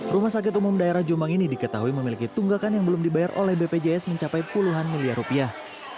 rumah sakit umum daerah jombang ini diketahui memiliki tunggakan yang belum dibayar oleh bpjs mencapai puluhan miliar rupiah